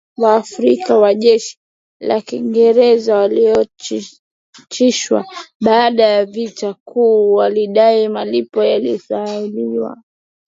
askari Waafrika wa jeshi la Kiingereza walioachishwa baada ya vita kuu walidai malipo waliyoahidiwa